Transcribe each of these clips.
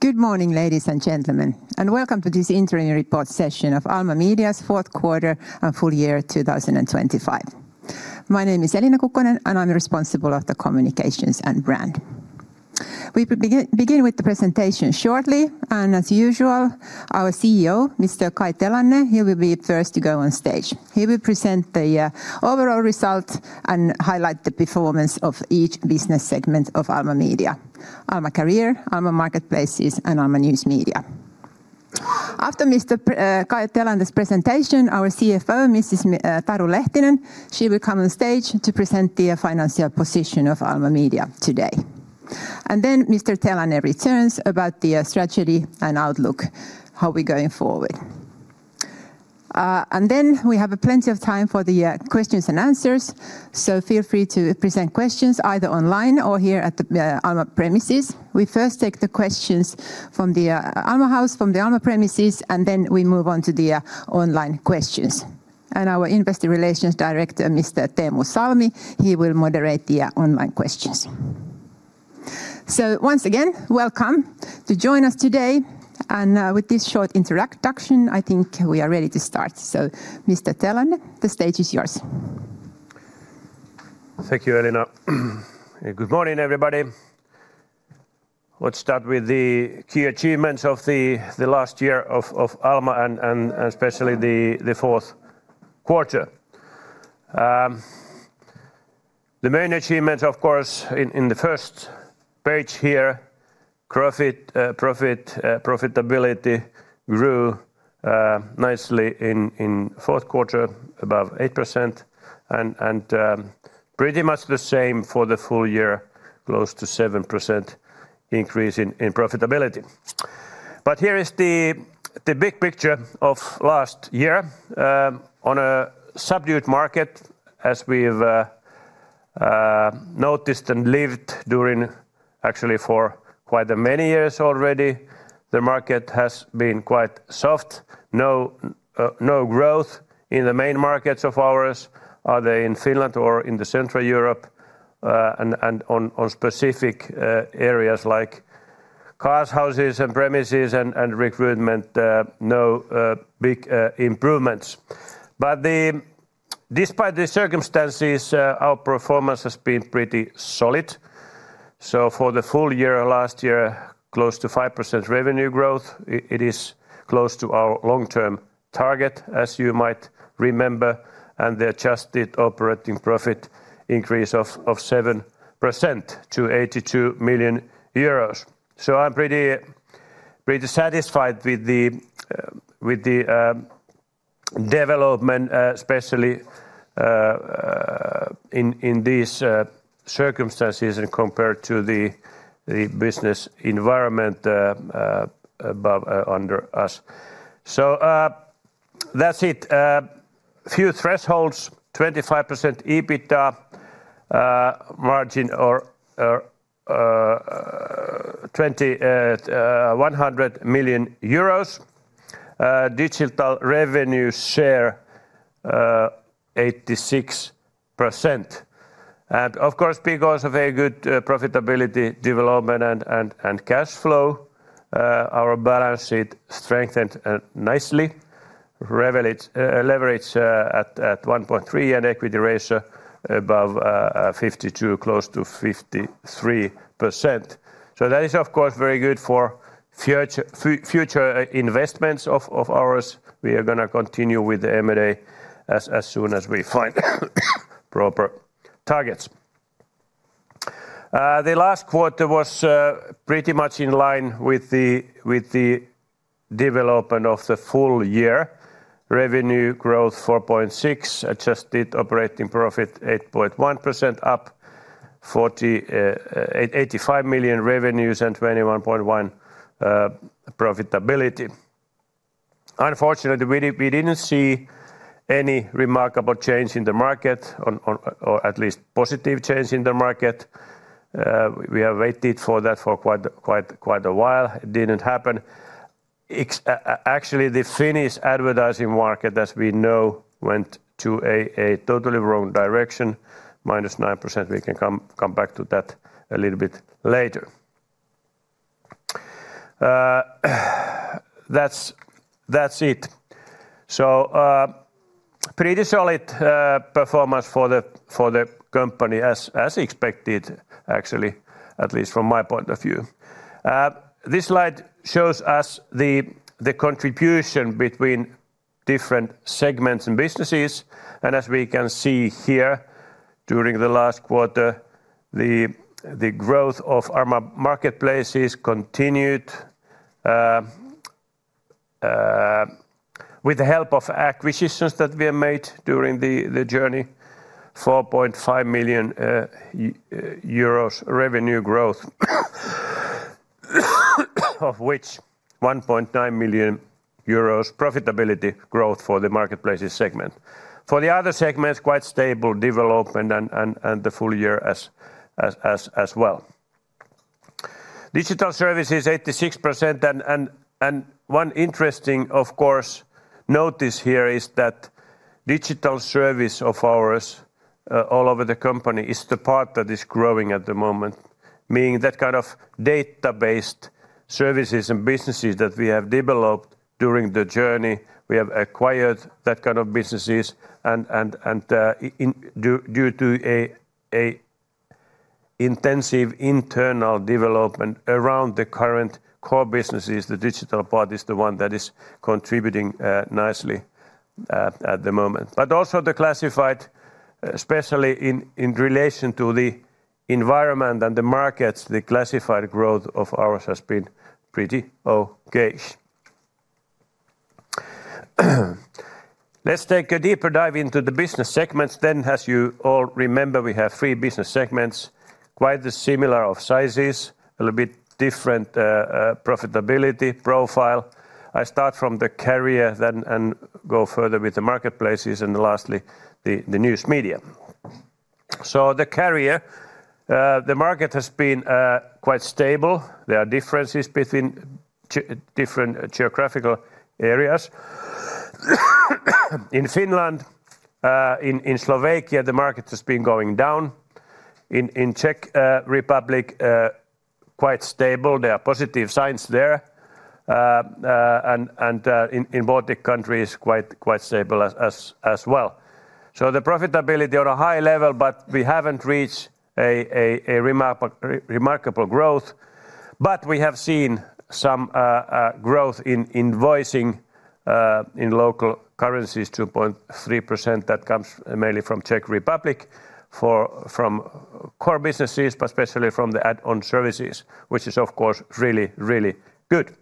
Good morning, ladies and gentlemen, and welcome to this interim report session of Alma Media's fourth quarter and full year 2025. My name is Elina Kukkonen, and I'm responsible for the Communications and Brand. We begin with the presentation shortly, and as usual, our CEO, Mr. Kai Telanne, he will be first to go on stage. He will present the overall result and highlight the performance of each business segment of Alma Media: Alma Career, Alma Marketplaces, and Alma News Media. After Mr. Kai Telanne's presentation, our CFO, Mrs. Taru Lehtinen, she will come on stage to present the financial position of Alma Media today. Then Mr. Telanne returns about the strategy and outlook, how we're going forward. Then we have plenty of time for the questions and answers, so feel free to present questions either online or here at the Alma premises. We first take the questions from the Alma House, from the Alma premises, and then we move on to the online questions. Our Investor Relations Director, Mr. Teemu Salmi, he will moderate the online questions. Once again, welcome to join us today, and with this short introduction, I think we are ready to start. Mr. Telanne, the stage is yours. Thank you, Elina. Good morning, everybody. Let's start with the key achievements of the last year of Alma, and especially the fourth quarter. The main achievements, of course, in the first page here: profitability grew nicely in the fourth quarter, above 8%, and pretty much the same for the full year, close to 7% increase in profitability. But here is the big picture of last year. On a subdued market, as we've noticed and lived during actually for quite many years already, the market has been quite soft. No growth in the main markets of ours, either in Finland or in Central Europe, and on specific areas like cars, houses, and premises and recruitment, no big improvements. But despite these circumstances, our performance has been pretty solid. So for the full year last year, close to 5% revenue growth. It is close to our long-term target, as you might remember, and the adjusted operating profit increase of 7% to 82 million euros. So I'm pretty satisfied with the development, especially in these circumstances, and compared to the business environment under us. So that's it. A few thresholds: 25% EBITDA margin or EUR 100 million. Digital revenue share: 86%. And of course, because of very good profitability development and cash flow, our balance sheet strengthened nicely. Leverage at 1.3x and equity ratio above 52%, close to 53%. So that is, of course, very good for future investments of ours. We are going to continue with the M&A as soon as we find proper targets. The last quarter was pretty much in line with the development of the full year. Revenue growth: 4.6%, adjusted operating profit: 8.1%, up 85 million revenues and 21.1% profitability. Unfortunately, we didn't see any remarkable change in the market, or at least positive change in the market. We have waited for that for quite a while. It didn't happen. Actually, the Finnish advertising market, as we know, went to a totally wrong direction. -9%. We can come back to that a little bit later. That's it. So pretty solid performance for the company, as expected, actually, at least from my point of view. This slide shows us the contribution between different segments and businesses. And as we can see here during the last quarter, the growth of Alma Marketplaces continued with the help of acquisitions that we have made during the journey. 4.5 million euros revenue growth, of which 1.9 million euros profitability growth for the Marketplaces segment. For the other segments, quite stable development and the full year as well. Digital services: 86%. One interesting, of course, notice here is that digital service of ours all over the company is the part that is growing at the moment. Meaning that kind of data-based services and businesses that we have developed during the journey, we have acquired that kind of businesses. And due to intensive internal development around the current core businesses, the digital part is the one that is contributing nicely at the moment. But also the classified, especially in relation to the environment and the markets, the classified growth of ours has been pretty okay. Let's take a deeper dive into the business segments. As you all remember, we have three business segments, quite similar in sizes, a little bit different profitability profile. I start from the Career and go further with the Marketplaces, and lastly, the News Media. The Career, the market has been quite stable. There are differences between different geographical areas. In Finland, in Slovakia, the market has been going down. In Czech Republic, quite stable. There are positive signs there. And in Baltic countries, quite stable as well. So the profitability on a high level, but we haven't reached a remarkable growth. But we have seen some growth in invoicing in local currencies: 2.3%. That comes mainly from Czech Republic, from core businesses, but especially from the add-on services, which is, of course, really, really good.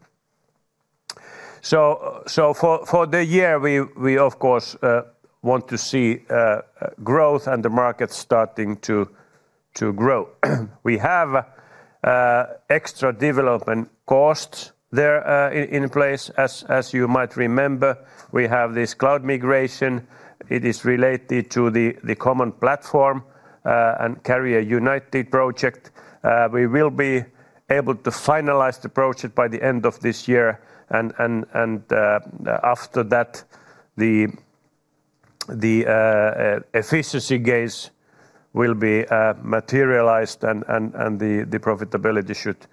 So for the year, we, of course, want to see growth and the market starting to grow. We have extra development costs there in place. As you might remember, we have this cloud migration. It is related to the common platform and Career United project. We will be able to finalize the project by the end of this year. After that, the efficiency gains will be materialized, and the profitability should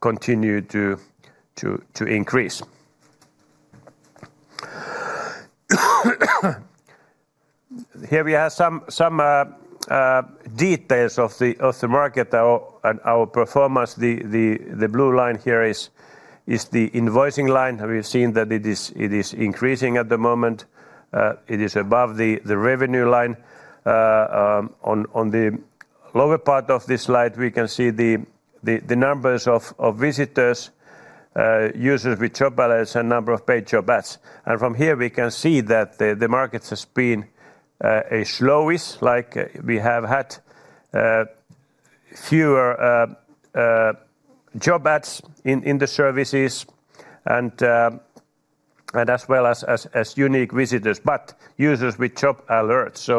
continue to increase. Here we have some details of the market and our performance. The blue line here is the invoicing line. We've seen that it is increasing at the moment. It is above the revenue line. On the lower part of this slide, we can see the numbers of visitors, users with job alerts, and the number of paid job ads. From here, we can see that the market has been slowish. Like we have had fewer job ads in the services, and as well as unique visitors, but users with job alerts.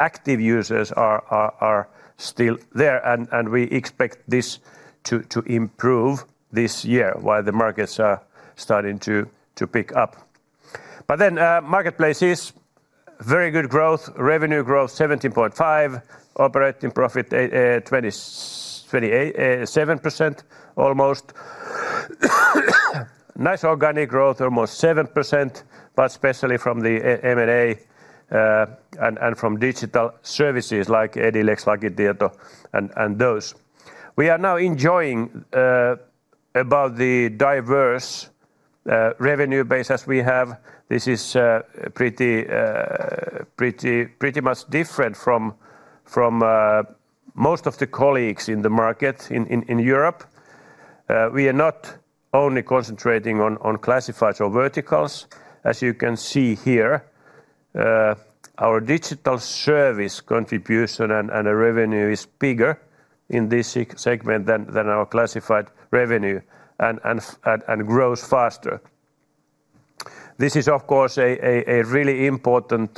Active users are still there, and we expect this to improve this year while the markets are starting to pick up. Then Marketplaces, very good growth, revenue growth: 17.5%, operating profit: 27% almost. Nice organic growth, almost 7%, but especially from the M&A and from digital services like Edilex, Lakitieto and those. We are now enjoying about the diverse revenue base as we have. This is pretty much different from most of the colleagues in the market in Europe. We are not only concentrating on classifieds or verticals, as you can see here. Our digital service contribution and revenue is bigger in this segment than our classified revenue and grows faster. This is, of course, really important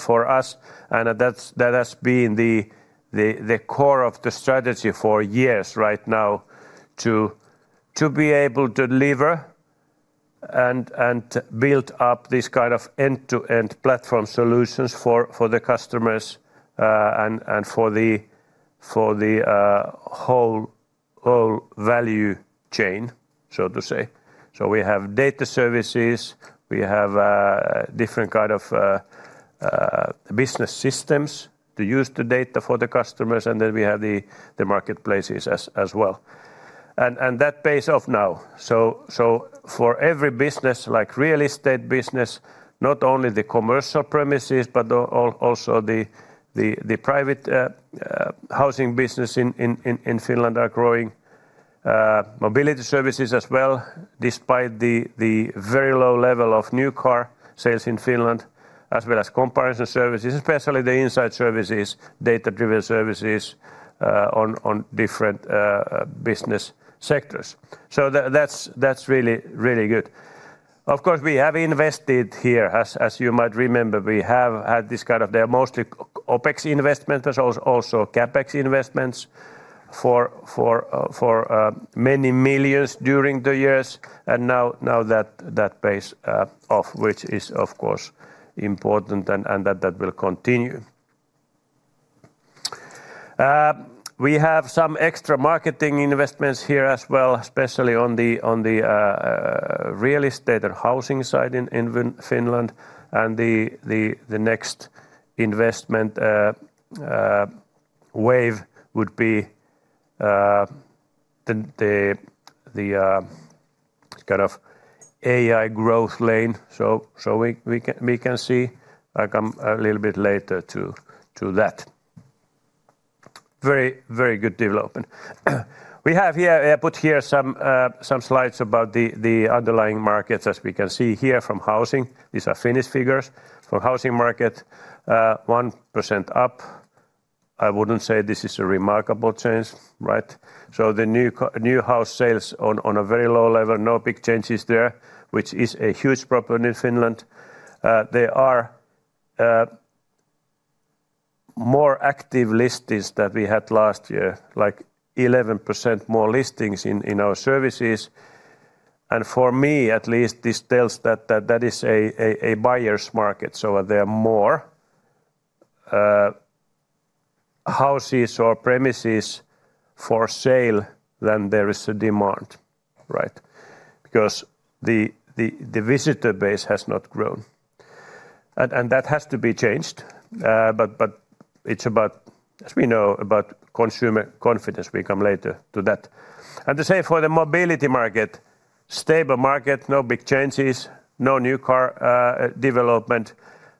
for us, and that has been the core of the strategy for years right now, to be able to deliver and build up these kinds of end-to-end platform solutions for the customers and for the whole value chain, so to say. So we have data services. We have different kinds of business systems to use the data for the customers. And then we have the Marketplaces as well. And that pays off now. So for every business, like real estate business, not only the commercial premises, but also the private housing business in Finland are growing. Mobility services as well, despite the very low level of new car sales in Finland, as well as comparison services, especially the Insight services, data-driven services on different business sectors. So that's really good. Of course, we have invested here, as you might remember, we have had this kind of, they are mostly OpEx investments, but also CapEx investments for many millions during the years. And now that pays off, which is, of course, important, and that will continue. We have some extra marketing investments here as well, especially on the real estate and housing side in Finland. And the next investment wave would be the kind of AI growth lane. So we can see. I come a little bit later to that. Very good development. We have here, I put here some slides about the underlying markets, as we can see here from housing. These are Finnish figures for the housing market: 1% up. I wouldn't say this is a remarkable change, right? So the new house sales on a very low level, no big changes there, which is a huge problem in Finland. There are more active listings than we had last year, like 11% more listings in our services. And for me at least, this tells that that is a buyer's market. So there are more houses or premises for sale than there is a demand, right? Because the visitor base has not grown. And that has to be changed. But it's about, as we know, about consumer confidence. We come later to that. And the same for the mobility market: stable market, no big changes, no new car development.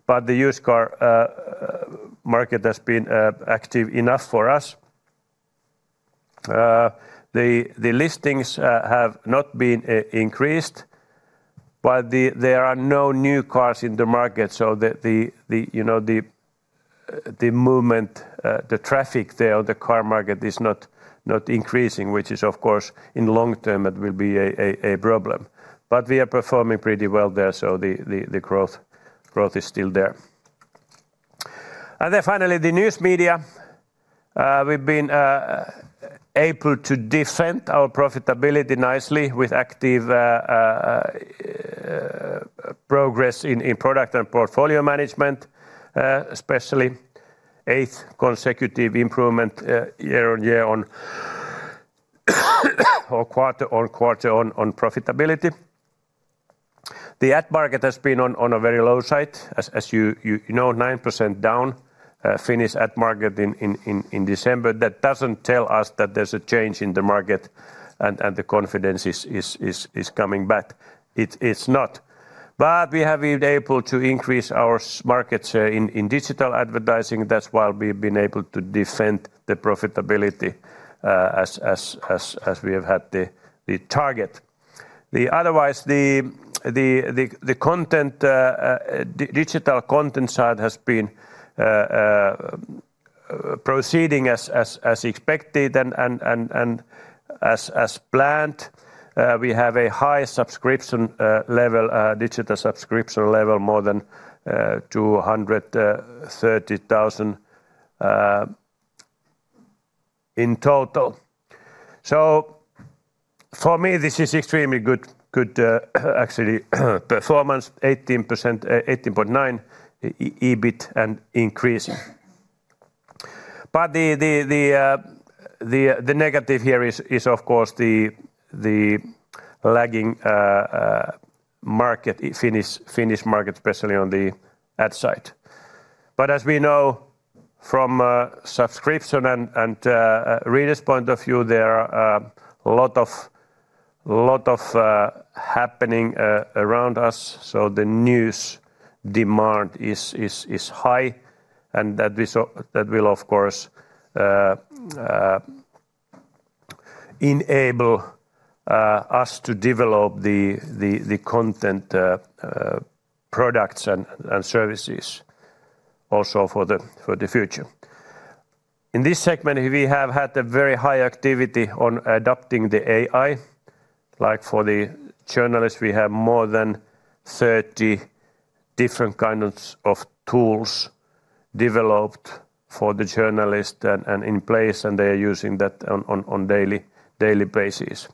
But the used car market has been active enough for us. The listings have not been increased, but there are no new cars in the market. So the movement, the traffic there on the car market is not increasing, which is, of course, in the long term, it will be a problem. But we are performing pretty well there, so the growth is still there. And then finally, the News Media. We've been able to defend our profitability nicely with active progress in product and portfolio management, especially. Eighth consecutive improvement year-over-year or quarter-over-quarter on profitability. The ad market has been on a very low side, as you know, 9% down, Finnish ad market in December. That doesn't tell us that there's a change in the market and the confidence is coming back. It's not. But we have been able to increase our market share in digital advertising. That's why we've been able to defend the profitability, as we have had the target. Otherwise, the content, digital content side has been proceeding as expected and as planned. We have a high subscription level, digital subscription level, more than 230,000 in total. So for me, this is extremely good, actually performance: 18.9% EBIT and increasing. But the negative here is, of course, the lagging market, Finnish market, especially on the ad side. But as we know, from a subscription and reader's point of view, there are a lot of happenings around us. So the news demand is high. That will, of course, enable us to develop the content products and services also for the future. In this segment, we have had a very high activity on adopting the AI. Like for the journalists, we have more than 30 different kinds of tools developed for the journalists and in place, and they are using that on daily basis.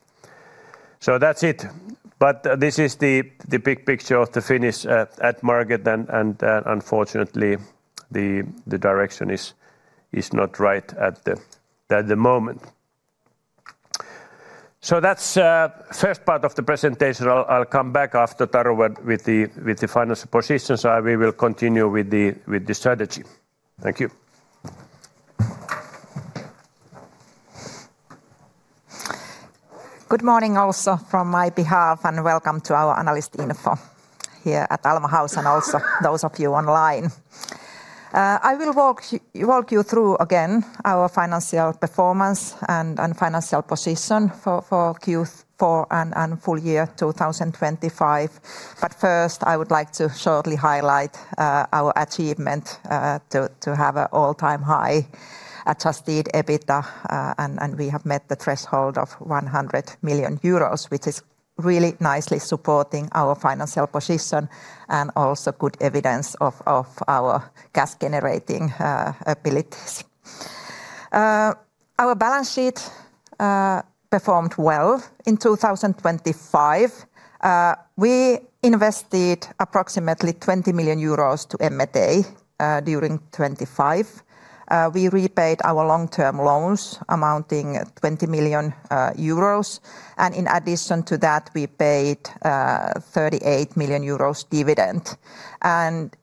So that's it. This is the big picture of the Finnish ad market. Unfortunately, the direction is not right at the moment. That's the first part of the presentation. I'll come back after Taru with the final positions. We will continue with the strategy. Thank you. Good morning also from my behalf, and welcome to our analyst info here at Alma House and also those of you online. I will walk you through again our financial performance and financial position for Q4 and full year 2025. First, I would like to shortly highlight our achievement to have an all-time high adjusted EBITDA. We have met the threshold of 100 million euros, which is really nicely supporting our financial position and also good evidence of our cash-generating abilities. Our balance sheet performed well in 2025. We invested approximately 20 million euros to M&A during 2025. We repaid our long-term loans amounting to 20 million euros. In addition to that, we paid 38 million euros dividend.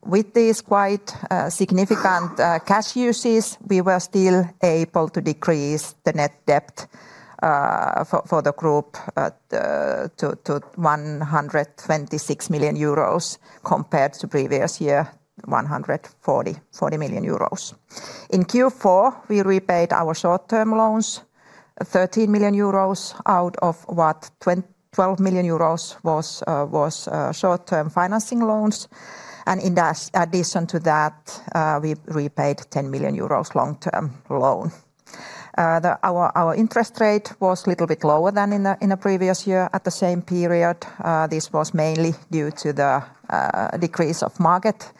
With these quite significant cash uses, we were still able to decrease the net debt for the group to 126 million euros compared to the previous year, 140 million euros. In Q4, we repaid our short-term loans: 13 million euros out of what 12 million euros was short-term financing loans. In addition to that, we repaid a 10 million euros long-term loan. Our interest rate was a little bit lower than in the previous year at the same period. This was mainly due to the decrease of market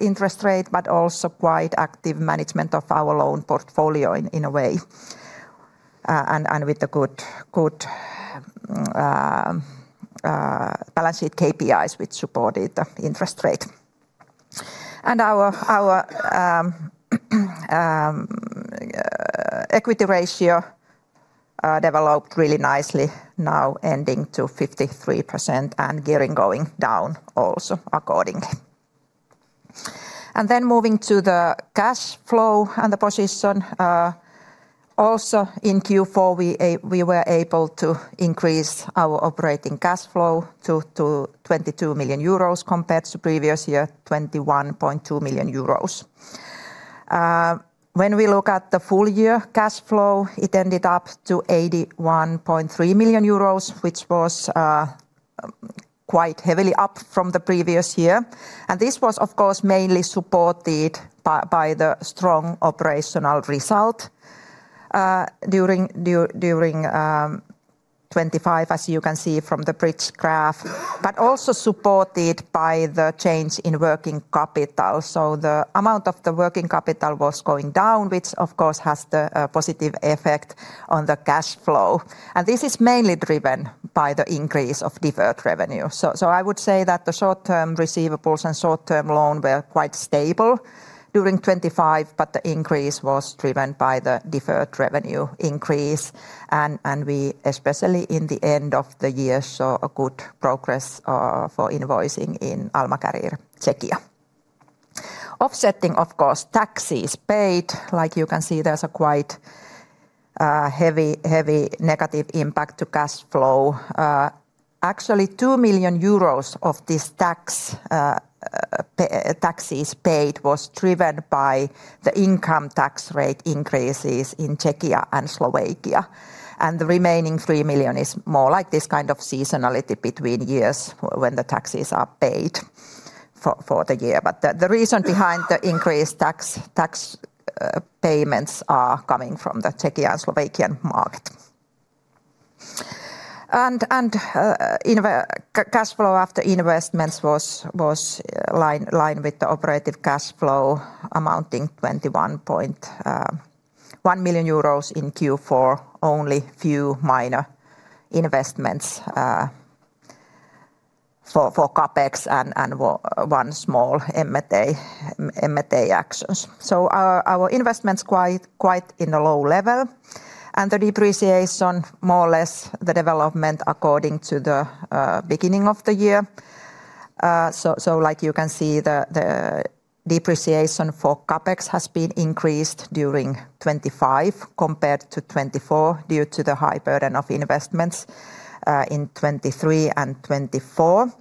interest rate, but also quite active management of our loan portfolio in a way. With the good balance sheet KPIs, which supported the interest rate. Our equity ratio developed really nicely now, ending to 53% and gearing going down also accordingly. Then moving to the cash flow and the position. Also in Q4, we were able to increase our operating cash flow to 22 million euros compared to the previous year, 21.2 million euros. When we look at the full year cash flow, it ended up to 81.3 million euros, which was quite heavily up from the previous year. This was, of course, mainly supported by the strong operational result during 2025, as you can see from the bridge graph, but also supported by the change in working capital. So the amount of the working capital was going down, which, of course, has the positive effect on the cash flow. And this is mainly driven by the increase of deferred revenue. So I would say that the short-term receivables and short-term loan were quite stable during 2025, but the increase was driven by the deferred revenue increase. And we, especially in the end of the year, saw a good progress for invoicing in Alma Career Czechia. Offsetting, of course, taxes paid. Like you can see, there's a quite heavy negative impact on cash flow. Actually, EUR 2 million of these taxes paid was driven by the income tax rate increases in Czechia and Slovakia. The remaining 3 million is more like this kind of seasonality between years when the taxes are paid for the year. The reason behind the increased tax payments is coming from the Czech-Slovakian market. Cash flow after investments was in line with the operative cash flow, amounting to 21.1 million euros in Q4, only a few minor investments for CapEx and one small M&A action. Our investments are quite in a low level. The depreciation, more or less the development according to the beginning of the year. Like you can see, the depreciation for CapEx has been increased during 2025 compared to 2024 due to the high burden of investments in 2023 and 2024.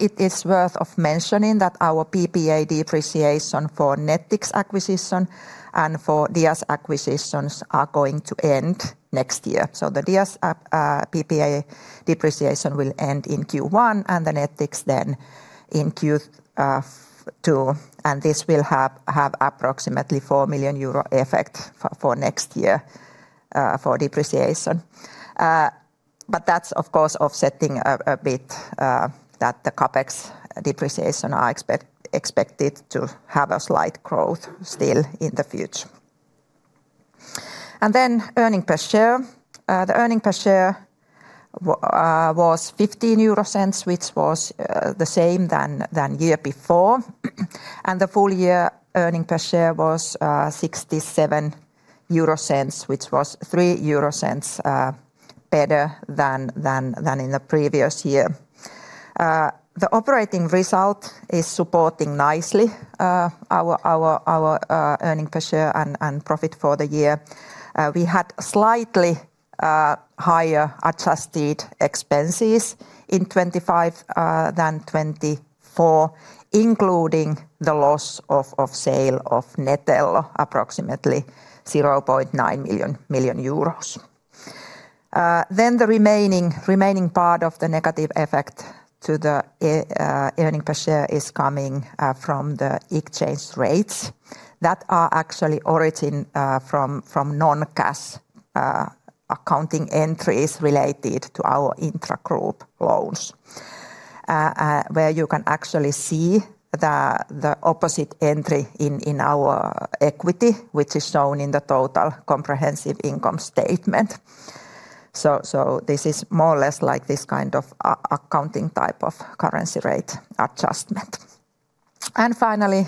It is worth mentioning that our PPA depreciation for Nettix acquisition and for DIAS acquisitions is going to end next year. The DIAS PPA depreciation will end in Q1 and the Nettix then in Q2. This will have approximately 4 million euro effect for next year for depreciation. But that's, of course, offsetting a bit that the CapEx depreciation is expected to have a slight growth still in the future. And then earnings per share. The earnings per share was 0.15, which was the same than the year before. And the full year earnings per share was 0.67, which was 0.03 better than in the previous year. The operating result is supporting nicely our earnings per share and profit for the year. We had slightly higher adjusted expenses in 2025 than 2024, including the loss of sale of Netello, approximately 0.9 million euros. Then the remaining part of the negative effect to the earnings per share is coming from the exchange rates. That are actually originating from non-cash accounting entries related to our intra-group loans, where you can actually see the opposite entry in our equity, which is shown in the total comprehensive income statement. So this is more or less like this kind of accounting type of currency rate adjustment. And finally,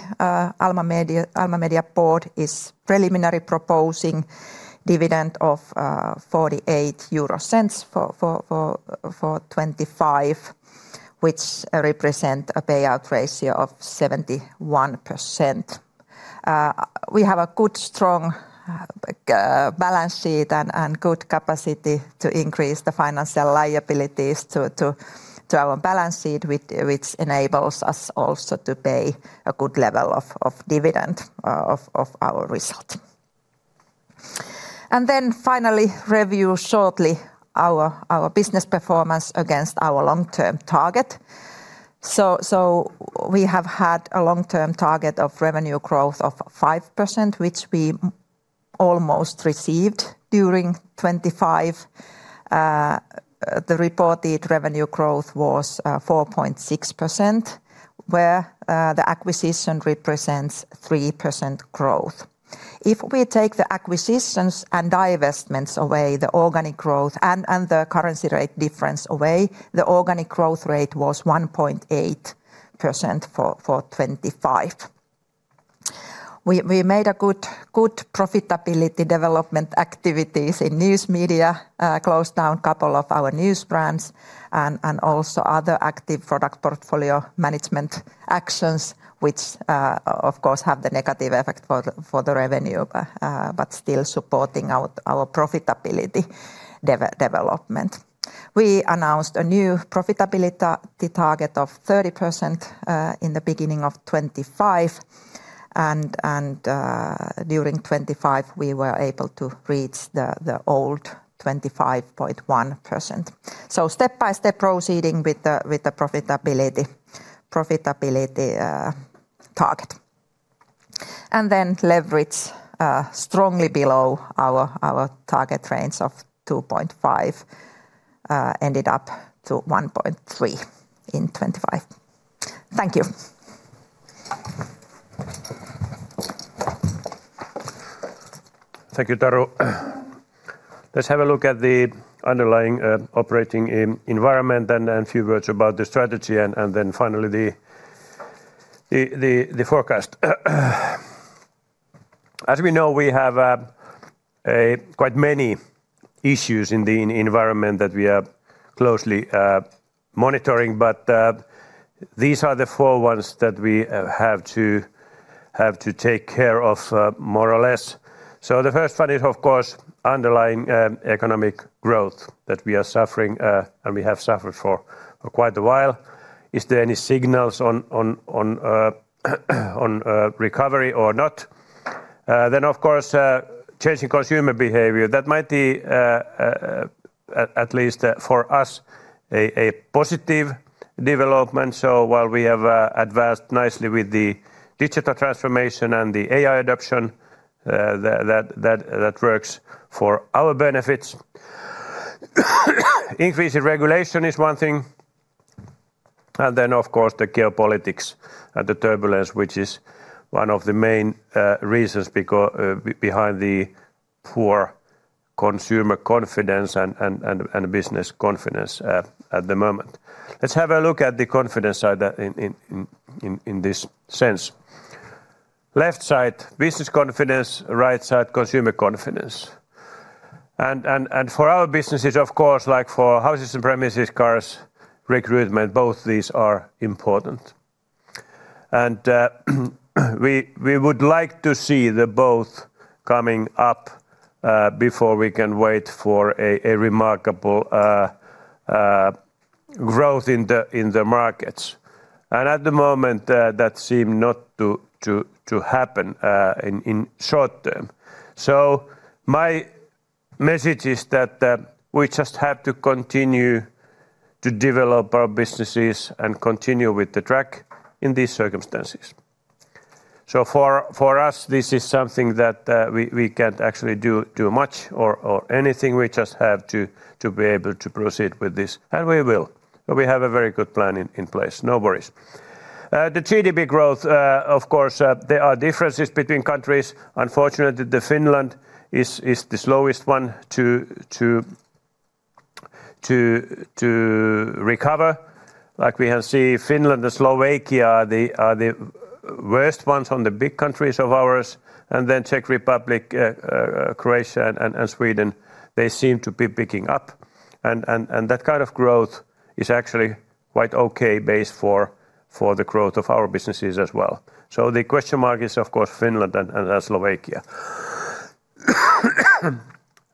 Alma Media Board is preliminarily proposing a dividend of 0.48 for 2025, which represents a payout ratio of 71%. We have a good, strong balance sheet and good capacity to increase the financial liabilities to our balance sheet, which enables us also to pay a good level of dividend of our result. And then finally, review shortly our business performance against our long-term target. So we have had a long-term target of revenue growth of 5%, which we almost received during 2025. The reported revenue growth was 4.6%, where the acquisition represents 3% growth. If we take the acquisitions and divestments away, the organic growth and the currency rate difference away, the organic growth rate was 1.8% for 2025. We made good profitability development activities in news media, closed down a couple of our news brands, and also other active product portfolio management actions, which, of course, have the negative effect for the revenue, but still supporting our profitability development. We announced a new profitability target of 30% in the beginning of 2025. During 2025, we were able to reach the old 25.1%. Step by step proceeding with the profitability target. Then leverage strongly below our target range of 2.5% ended up to 1.3% in 2025. Thank you. Thank you, Taru. Let's have a look at the underlying operating environment and a few words about the strategy. Then finally, the forecast. As we know, we have quite many issues in the environment that we are closely monitoring. But these are the four ones that we have to take care of more or less. So the first one is, of course, underlying economic growth that we are suffering and we have suffered for quite a while. Is there any signals on recovery or not? Then, of course, changing consumer behavior. That might be, at least for us, a positive development. So while we have advanced nicely with the digital transformation and the AI adoption, that works for our benefits. Increasing regulation is one thing. And then, of course, the geopolitics and the turbulence, which is one of the main reasons behind the poor consumer confidence and business confidence at the moment. Let's have a look at the confidence side in this sense. Left side business confidence, right side consumer confidence. For our businesses, of course, like for houses and premises, cars, recruitment, both these are important. We would like to see both coming up before we can wait for a remarkable growth in the markets. At the moment, that seemed not to happen in short term. My message is that we just have to continue to develop our businesses and continue with the track in these circumstances. For us, this is something that we can't actually do much or anything. We just have to be able to proceed with this. We will. We have a very good plan in place. No worries. The GDP growth, of course, there are differences between countries. Unfortunately, Finland is the slowest one to recover. Like we can see, Finland and Slovakia are the worst ones on the big countries of ours. And then Czech Republic, Croatia, and Sweden, they seem to be picking up. And that kind of growth is actually quite an okay base for the growth of our businesses as well. So the question mark is, of course, Finland and Slovakia.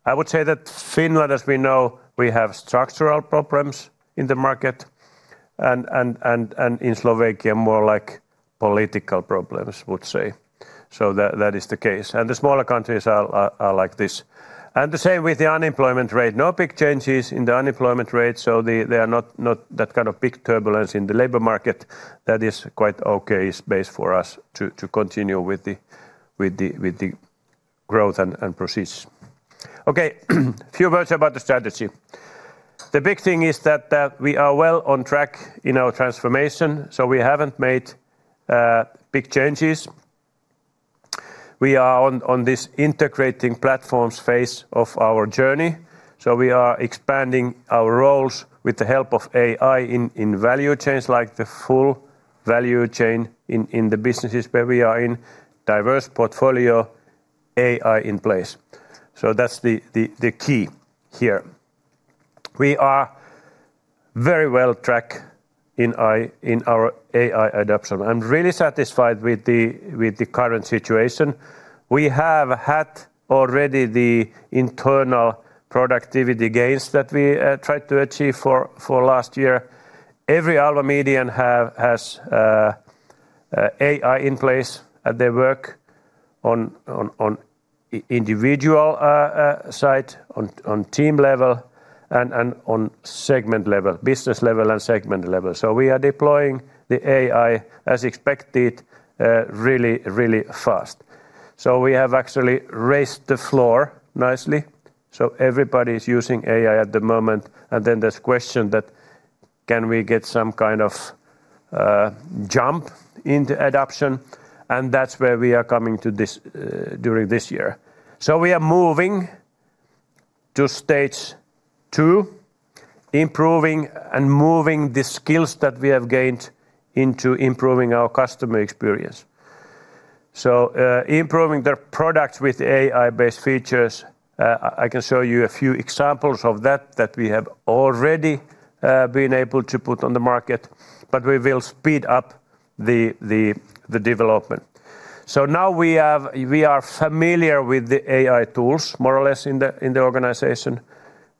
I would say that Finland, as we know, we have structural problems in the market. And in Slovakia, more like political problems, I would say. So that is the case. And the smaller countries are like this. And the same with the unemployment rate. No big changes in the unemployment rate. So there are not that kind of big turbulence in the labor market. That is quite an okay base for us to continue with the growth and proceed. Okay, a few words about the strategy. The big thing is that we are well on track in our transformation. So we haven't made big changes. We are on this integrating platforms phase of our journey. So we are expanding our roles with the help of AI in value chains, like the full value chain in the businesses where we are in, diverse portfolio, AI in place. So that's the key here. We are very well on track in our AI adoption. I'm really satisfied with the current situation. We have had already the internal productivity gains that we tried to achieve for last year. Every Alma Media has AI in place at their work on the individual side, on team level, and on segment level, business level and segment level. So we are deploying the AI, as expected, really, really fast. So we have actually raised the floor nicely. So everybody is using AI at the moment. And then there's a question that, can we get some kind of jump into adoption? That's where we are coming to this during this year. So we are moving to Stage 2, improving and moving the skills that we have gained into improving our customer experience. So improving their products with AI-based features. I can show you a few examples of that we have already been able to put on the market. But we will speed up the development. So now we are familiar with the AI tools, more or less, in the organization.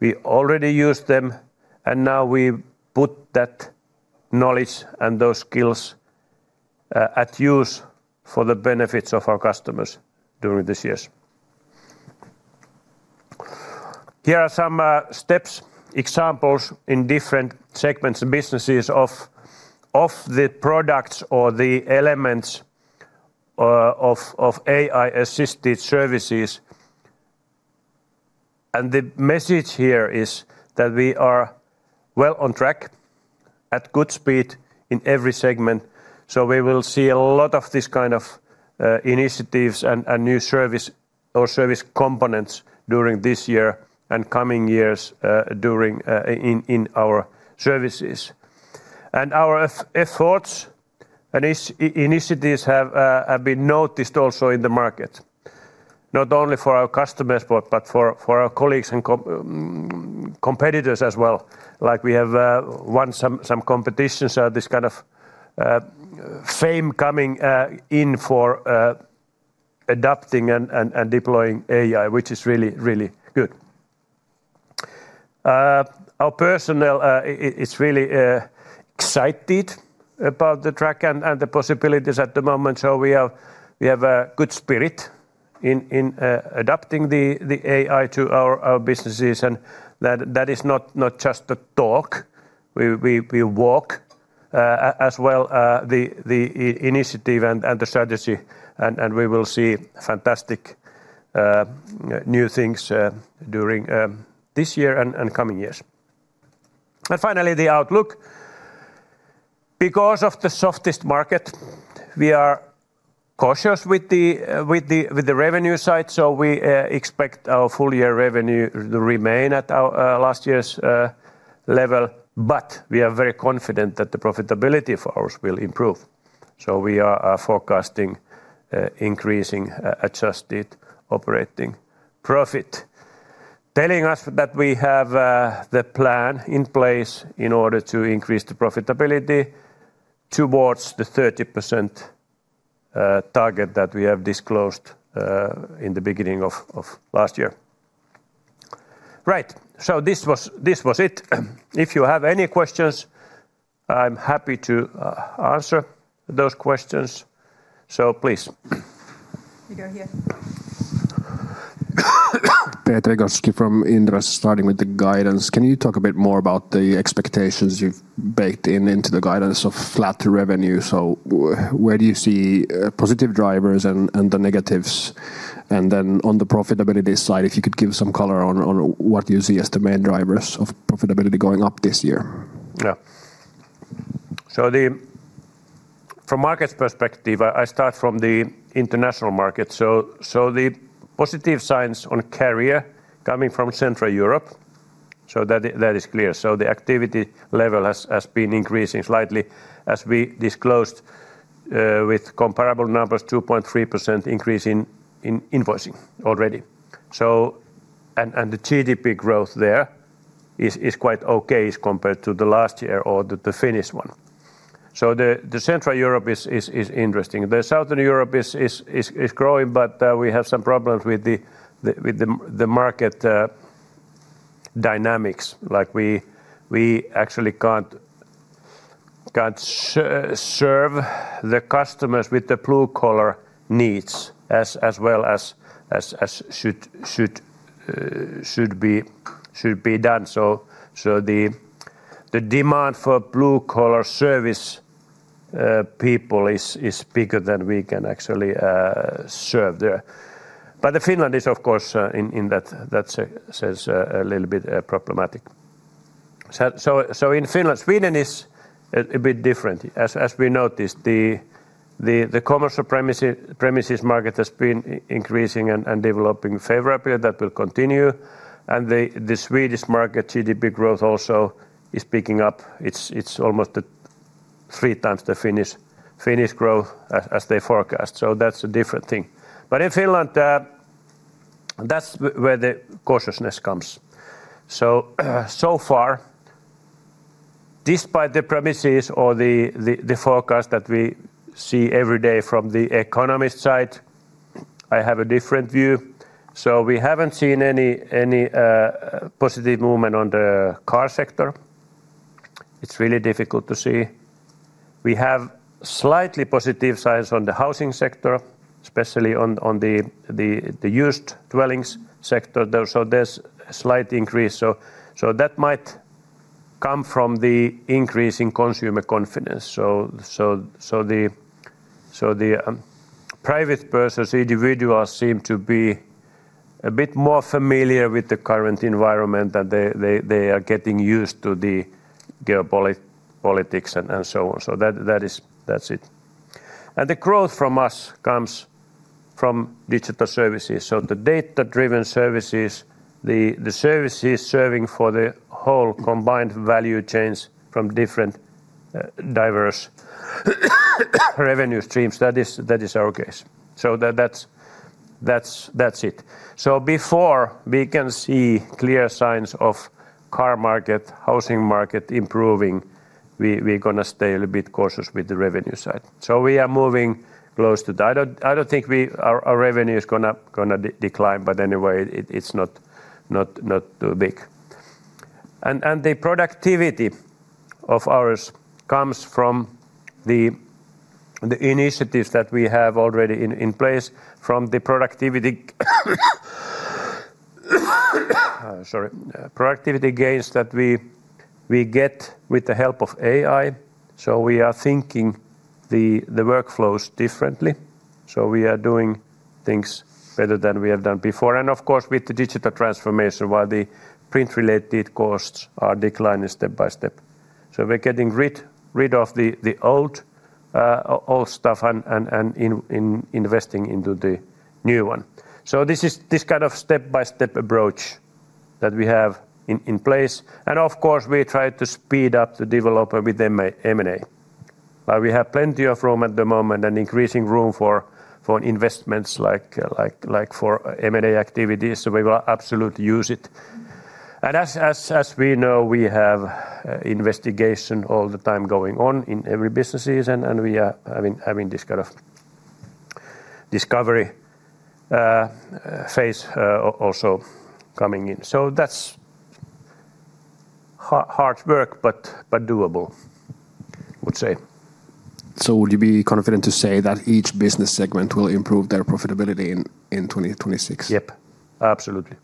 We already use them. And now we put that knowledge and those skills at use for the benefits of our customers during these years. Here are some steps, examples in different segments and businesses of the products or the elements of AI-assisted services. The message here is that we are well on track, at good speed in every segment. So we will see a lot of these kinds of initiatives and new service or service components during this year and coming years during in our services. Our efforts and initiatives have been noticed also in the market. Not only for our customers, but for our colleagues and competitors as well. Like we have won some competitions or this kind of fame coming in for adopting and deploying AI, which is really, really good. Our personnel is really excited about the track and the possibilities at the moment. So we have a good spirit in adopting the AI to our businesses. And that is not just the talk. We walk as well the initiative and the strategy. We will see fantastic new things during this year and coming years. Finally, the outlook. Because of the softest market, we are cautious with the revenue side. So we expect our full year revenue to remain at last year's level. But we are very confident that the profitability for ours will improve. We are forecasting increasing adjusted operating profit. Telling us that we have the plan in place in order to increase the profitability towards the 30% target that we have disclosed in the beginning of last year. Right, so this was it. If you have any questions, I'm happy to answer those questions. Please. You go here. Petri Gostowski from Inderes, starting with the guidance. Can you talk a bit more about the expectations you've baked into the guidance of flat revenue? Where do you see positive drivers and the negatives? And then on the profitability side, if you could give some color on what you see as the main drivers of profitability going up this year. Yeah. From the market's perspective, I start from the international market. So the positive signs on Career coming from Central Europe, so that is clear. So the activity level has been increasing slightly. As we disclosed with comparable numbers, 2.3% increase in invoicing already. So and the GDP growth there is quite okay compared to the last year or the Finnish one. So the Central Europe is interesting. The Southern Europe is growing, but we have some problems with the market dynamics. Like we actually can't serve the customers with the blue-collar needs as well as should be done. So the demand for blue-collar service people is bigger than we can actually serve there. But Finland is, of course, in that sense a little bit problematic. So in Finland, Sweden is a bit different. As we noticed, the commercial premises market has been increasing and developing favorably. That will continue. The Swedish market GDP growth also is picking up. It's almost three times the Finnish growth as they forecast. That's a different thing. But in Finland, that's where the cautiousness comes. So far, despite the premises or the forecast that we see every day from the economist side, I have a different view. We haven't seen any positive movement on the car sector. It's really difficult to see. We have slightly positive signs on the housing sector, especially on the used dwellings sector. There's a slight increase. That might come from the increasing consumer confidence. The private persons, individuals, seem to be a bit more familiar with the current environment. They are getting used to the geopolitics and so on. That's it. The growth from us comes from digital services. So the data-driven services, the services serving for the whole combined value chains from different diverse revenue streams, that is our case. So that's it. So before we can see clear signs of car market, housing market improving, we're going to stay a little bit cautious with the revenue side. So we are moving close to that. I don't think our revenue is going to decline. But anyway, it's not not too big. And the productivity of ours comes from the initiatives that we have already in place, from the productivity. Sorry, productivity gains that we get with the help of AI. So we are thinking the workflows differently. So we are doing things better than we have done before. And of course, with the digital transformation, while the print-related costs are declining step by step. So we're getting rid of the old stuff and investing into the new one. So this is this kind of step-by-step approach that we have in place. And of course, we try to speed up the development with M&A. We have plenty of room at the moment and increasing room for investments like for M&A activities. So we will absolutely use it. And as we know, we have investigations all the time going on in every business segment. And we are having this kind of discovery phase also coming in. So that's hard work, but doable, I would say. So would you be confident to say that each business segment will improve their profitability in 2026? Yep, absolutely.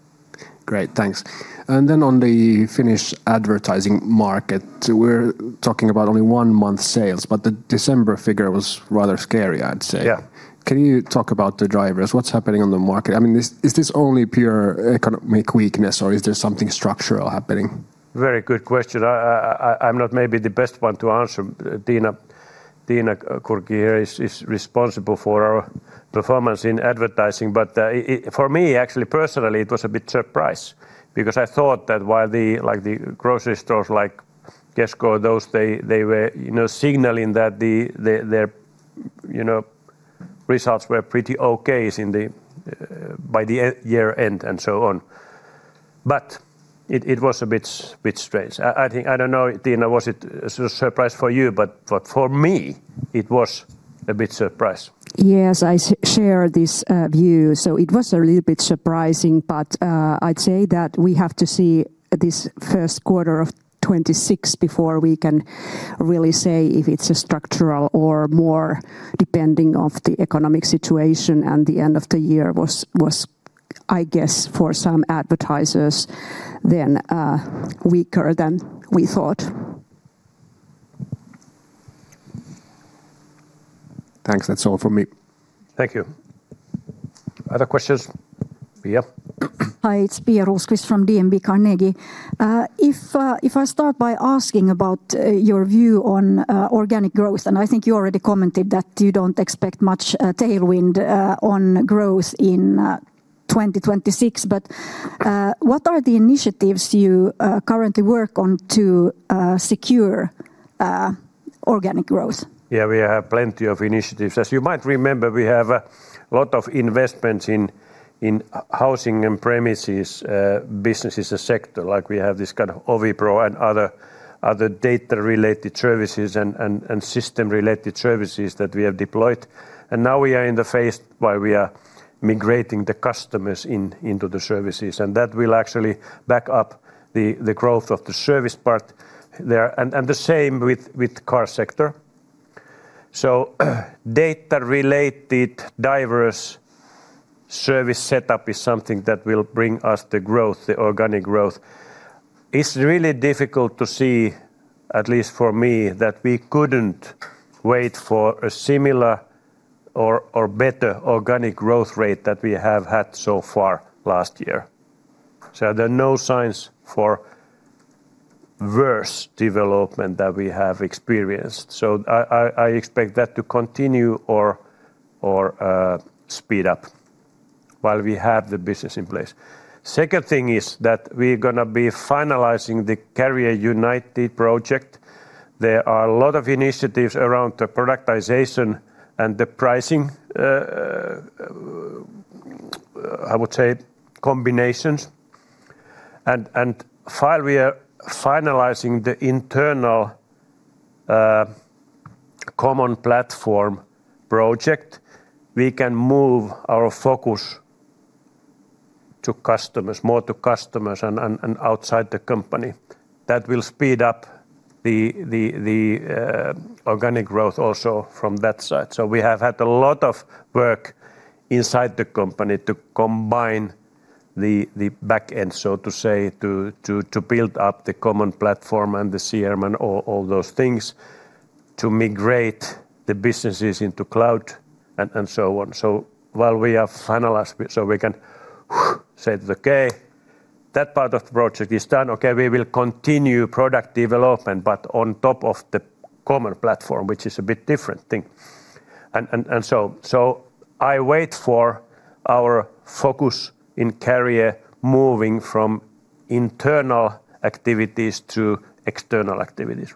Great, thanks. And then on the Finnish advertising market, we're talking about only one month sales. But the December figure was rather scary, I'd say. Can you talk about the drivers? What's happening on the market? I mean, is this only pure economic weakness, or is there something structural happening? Very good question. I'm not maybe the best one to answer. Tiina Kurki here is responsible for our performance in advertising. But for me, actually, personally, it was a bit surprised. Because I thought that while the grocery stores like Kesko, those they were signaling that their results were pretty okay by the year end and so on. But it was a bit strange. I don't know, Tiina, was it a surprise for you? But for me, it was a bit surprise. Yes, I share this view. So it was a little bit surprising. But I'd say that we have to see this first quarter of 2026 before we can really say if it's structural or more, depending on the economic situation. The end of the year was, I guess, for some advertisers then weaker than we thought. Thanks, that's all from me. Thank you. Other questions? Pia? Hi, it's Pia Rosqvist from DNB Carnegie. If I start by asking about your view on organic growth, and I think you already commented that you don't expect much tailwind on growth in 2026, but what are the initiatives you currently work on to secure organic growth? Yeah, we have plenty of initiatives. As you might remember, we have a lot of investments in housing and premises businesses and sector. Like we have this kind of OviPro and other data-related services and system-related services that we have deployed. And now we are in the phase where we are migrating the customers into the services. And that will actually back up the growth of the service part there. And the same with the car sector. So, data-related diverse service setup is something that will bring us the growth, the organic growth. It's really difficult to see, at least for me, that we couldn't wait for a similar or better organic growth rate than we have had so far last year. So, there are no signs for worse development than we have experienced. So, I expect that to continue or speed up while we have the business in place. The second thing is that we're going to be finalizing the Career United project. There are a lot of initiatives around the productization and the pricing, I would say, combinations. And while we are finalizing the internal common platform project, we can move our focus more to customers and outside the company. That will speed up the organic growth also from that side. So we have had a lot of work inside the company to combine the back end, so to say, to build up the common platform and the CRM and all those things, to migrate the businesses into cloud and so on. So while we have finalized, so we can say that, "Okay, that part of the project is done." "Okay, we will continue product development, but on top of the common platform," which is a bit different thing. And so I wait for our focus in Career moving from internal activities to external activities.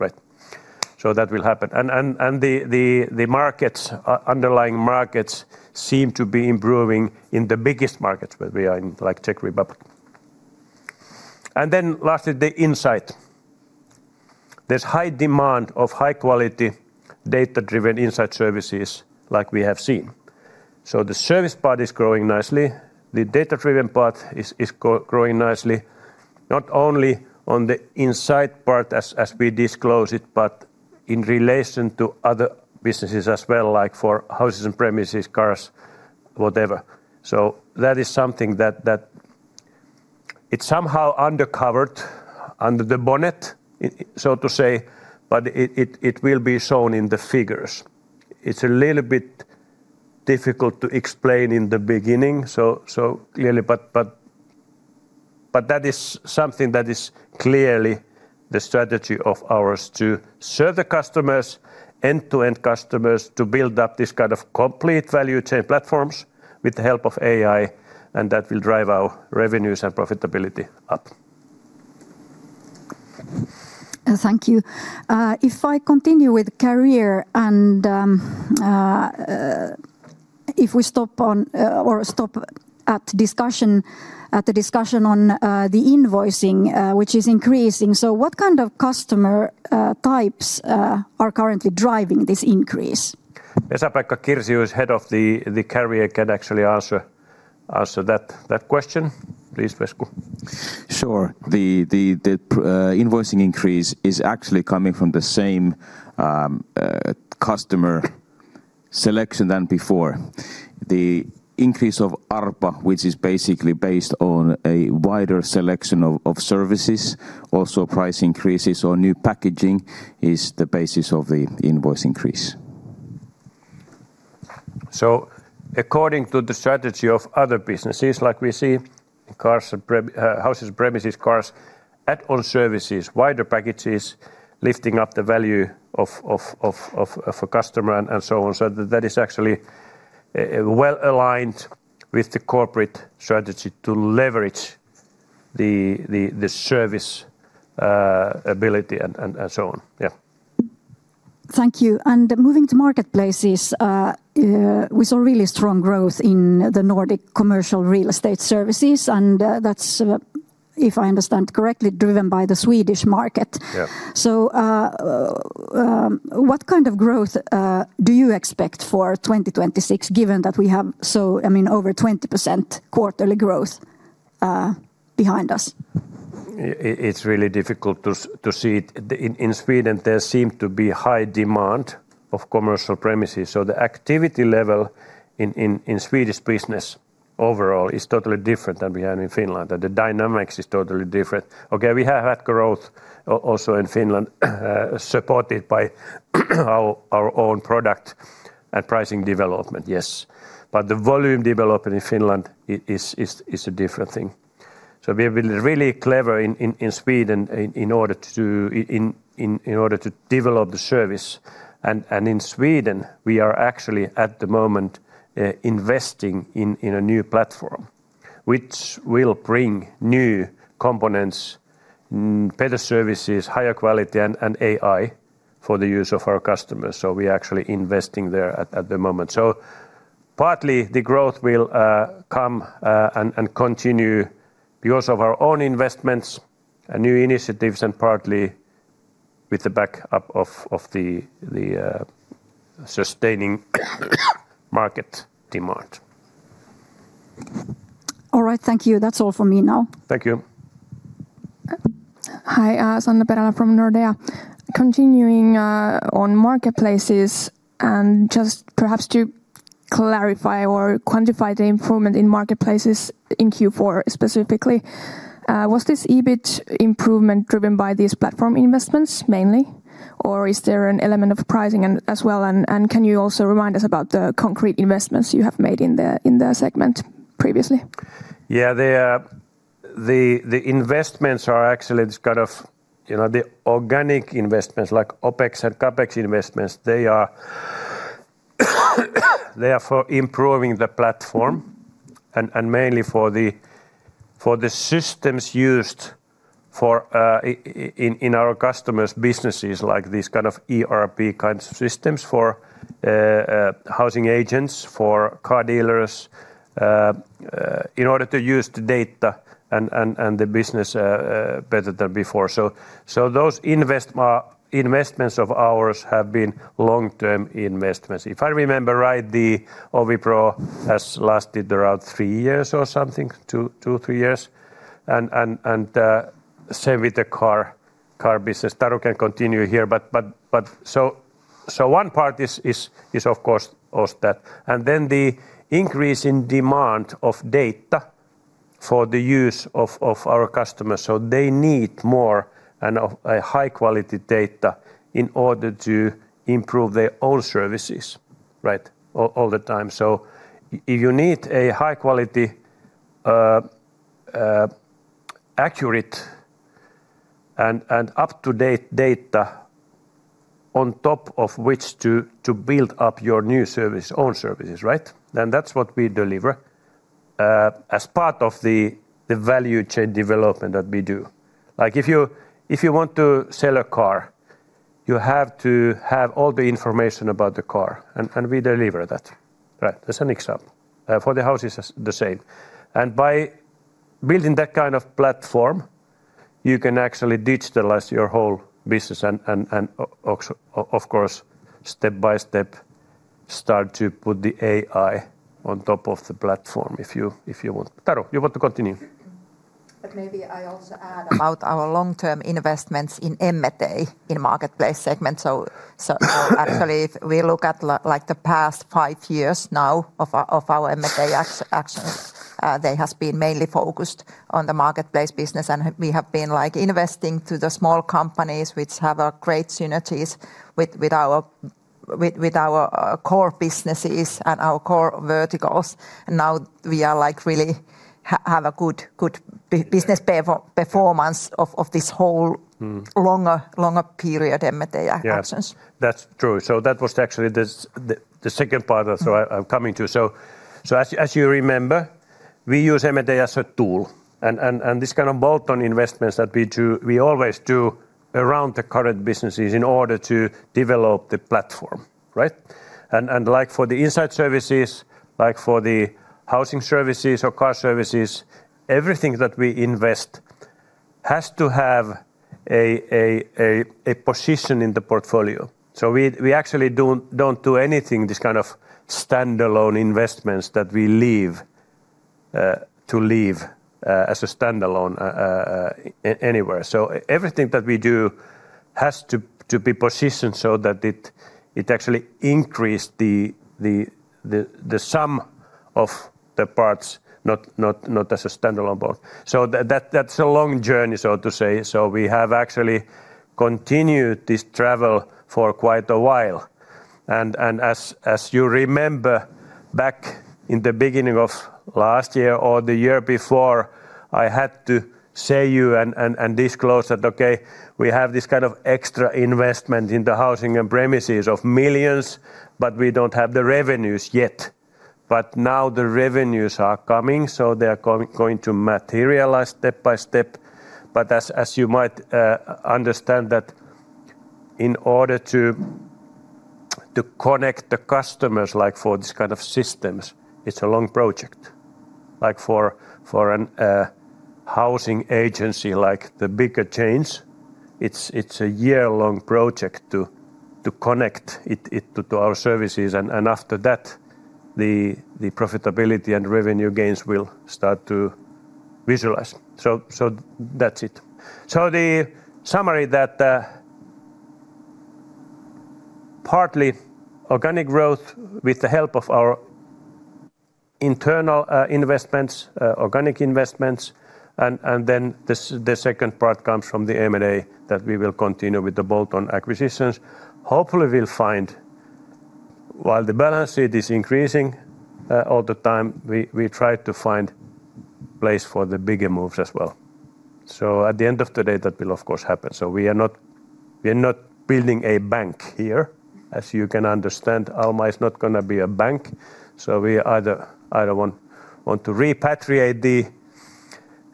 So that will happen. And the underlying markets seem to be improving in the biggest markets where we are in, like Czech Republic. And then lastly, the Insights. There's high demand of high-quality, data-driven insight services like we have seen. So the service part is growing nicely. The data-driven part is growing nicely. Not only on the insight part as we disclose it, but in relation to other businesses as well, like for houses and premises, cars, whatever. So that is something that, it's somehow undercovered, under the bonnet, so to say. But it will be shown in the figures. It's a little bit difficult to explain in the beginning, so clearly. But that is something that is clearly the strategy of ours—to serve the customers, end-to-end customers, to build up this kind of complete value chain platforms with the help of AI. And that will drive our revenues and profitability up. Thank you. If I continue with Career and if we stop on or stop at the discussion on the invoicing, which is increasing, so what kind of customer types are currently driving this increase? Vesa-Pekka Kirsi, who is head of the Career, can actually answer that question. Please, Vesa. Sure. The invoicing increase is actually coming from the same customer selection than before. The increase of ARPA, which is basically based on a wider selection of services, also price increases or new packaging, is the basis of the invoice increase. So according to the strategy of other businesses, like we see in houses, premises, cars, add-on services, wider packages, lifting up the value of a customer and so on, so that is actually well aligned with the corporate strategy to leverage the service ability and so on. Yeah. Thank you. And moving to Marketplaces, we saw really strong growth in the Nordic commercial real estate services. And that's, if I understand correctly, driven by the Swedish market. Yeah. What kind of growth do you expect for 2026, given that we have so, I mean, over 20% quarterly growth behind us? It's really difficult to see. In Sweden, there seems to be high demand for commercial premises. The activity level in Swedish business overall is totally different than we have in Finland. The dynamics are totally different. Okay, we have had growth also in Finland, supported by our own product and pricing development, yes. The volume development in Finland is a different thing. We're really clever in Sweden in order to develop the service. In Sweden, we are actually, at the moment, investing in a new platform, which will bring new components, better services, higher quality, and AI for the use of our customers. We're actually investing there at the moment. Partly, the growth will come and continue because of our own investments and new initiatives, and partly with the backup of the sustaining market demand. All right, thank you. That's all from me now. Thank you. Hi, Sanna Perälä from Nordea. Continuing on marketplaces, and just perhaps to clarify or quantify the improvement in marketplaces in Q4 specifically. Was this EBIT improvement driven by these platform investments mainly? Or is there an element of pricing as well? And can you also remind us about the concrete investments you have made in the segment previously? Yeah, the investments are actually this kind of, you know, the organic investments, like OpEx and CapEx investments. They are, they are for improving the platform and mainly for the systems used in our customers' businesses, like these kind of ERP kinds of systems for housing agents, for car dealers, in order to use the data and the business better than before. So those investments of ours have been long-term investments. If I remember right, the OviPro has lasted around three years or something, two, three years. Same with the car business. Taru can continue here. So, so one part is, of course, that. Then the increase in demand for data for the use of our customers. So they need more and high-quality data in order to improve their own services, right, all the time. So if you need high-quality, accurate, and up-to-date data, on top of which to build up your new service, own services, right? Then that's what we deliver as part of the value chain development that we do. Like if you want to sell a car, you have to have all the information about the car. And we deliver that, right? That's an example. For the houses, it's the same. And by building that kind of platform, you can actually digitalize your whole business. And also, of course, step by step, start to put the AI on top of the platform, if you want. Taru, you want to continue? But maybe I also add about our long-term investments in M&A in the Marketplace segment. So actually, if we look at the past five years now of our M&A actions, they have been mainly focused on the Marketplace business. And we have been investing in the small companies, which have great synergies with our core businesses and our core verticals. And now we really have a good business performance of this whole longer period M&A actions. That's true. So that was actually the second part that I'm coming to. So as you remember, we use M&A as a tool. And this kind of bolt-on investments that we always do around the current businesses in order to develop the platform, right? And like for the inside services, like for the housing services or car services, everything that we invest has to have a position in the portfolio. So we actually don't do anything, this kind of standalone investments that we leave as a standalone anywhere. So everything that we do has to be positioned so that it actually increases the sum of the parts, not as a standalone bond. So that's a long journey, so to say. So we have actually continued this travel for quite a while. And as you remember, back in the beginning of last year or the year before, I had to say to you and disclose that, "Okay, we have this kind of extra investment in the housing and premises of millions, but we don't have the revenues yet." But now the revenues are coming, so they are going to materialize step by step. As you might understand, in order to connect the customers, like for this kind of systems, it's a long project. Like for a housing agency, like the bigger chains, it's a year-long project to connect it to our services. After that, the profitability and revenue gains will start to visualize. That's it. The summary is that, partly, organic growth with the help of our internal investments, organic investments. Then the second part comes from the M&A, that we will continue with the bolt-on acquisitions. Hopefully, we'll find. While the balance sheet is increasing all the time, we try to find a place for the bigger moves as well. At the end of the day, that will, of course, happen. We are not building a bank here. As you can understand, Alma is not going to be a bank. So we either want to repatriate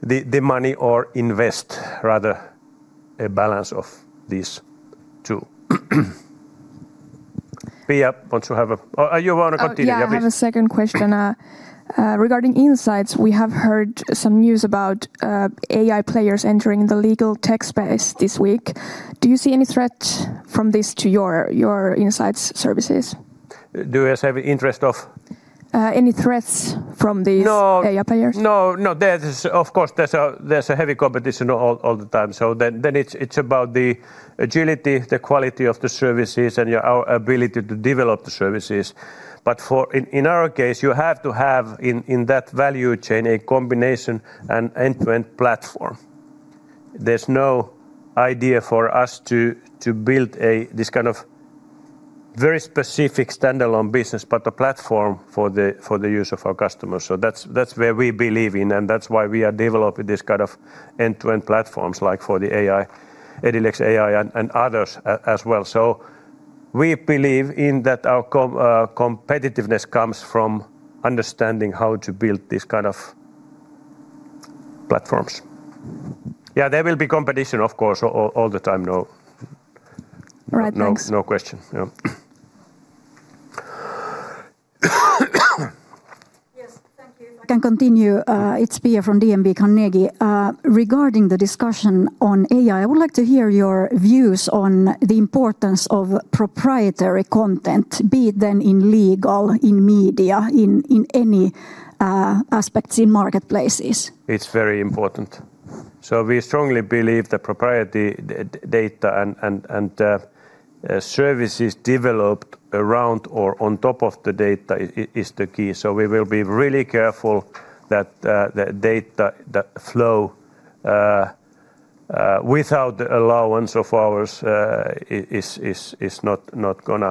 the money or invest rather a balance of these two. Pia, want to have a, you want to continue? Yeah, I have a second question. Regarding Insights, we have heard some news about AI players entering the legal tech space this week. Do you see any threats from this to your Insights services? Do you have an interest of? Any threats from these AI players? No, no, of course, there's a heavy competition all the time. So then it's about the agility, the quality of the services, and our ability to develop the services. But in our case, you have to have in that value chain a combination and end-to-end platform. There's no idea for us to build this kind of very specific standalone business, but a platform for the use of our customers. So that's where we believe in, and that's why we are developing this kind of end-to-end platforms, like for the Edilex AI and others as well. So we believe in that our competitiveness comes from understanding how to build these kinds of platforms. Yeah, there will be competition, of course, all the time. No question. Yes, thank you. I can continue. It's Pia from DNB Carnegie. Regarding the discussion on AI, I would like to hear your views on the importance of proprietary content, be it then in Legal, in Media, in any aspects in Marketplaces. It's very important. So we strongly believe that proprietary data and services developed around or on top of the data is the key. So we will be really careful that the data, the flow, without the allowance of ours, it's not going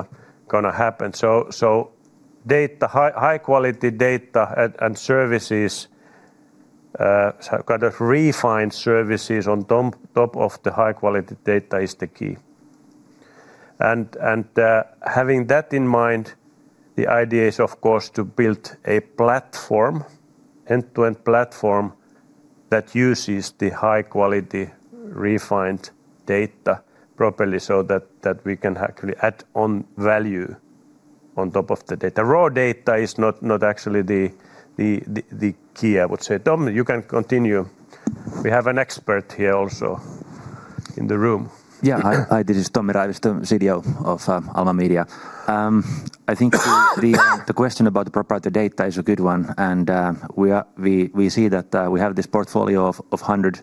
to happen. So data, high-quality data and services, kind of refined services on top of the high-quality data is the key. And having that in mind, the idea is, of course, to build a platform, an end-to-end platform, that uses the high-quality, refined data properly, so that we can actually add on value on top of the data. Raw data is not actually the key, I would say. Tommi, you can continue. We have an expert here also in the room. Yeah, this is Tommi Raivisto, CDO of Alma Media. I think the question about the proprietary data is a good one. And we see that we have this portfolio of 100,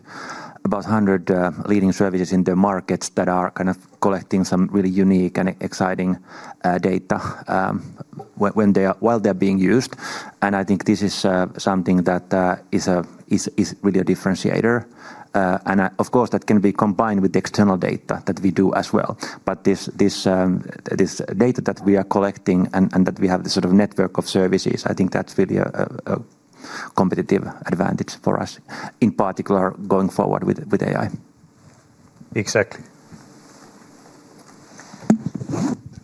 about 100 leading services in the markets that are kind of collecting some really unique and exciting data while they are being used. And I think this is something that is really a differentiator. And of course, that can be combined with the external data that we do as well. But this data that we are collecting and that we have this sort of network of services, I think that's really a competitive advantage for us, in particular going forward with AI. Exactly.